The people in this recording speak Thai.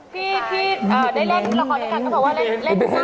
ที่ได้เล่นละครแล้วก็เพราะว่าเล่นหน้าเหมือนกัน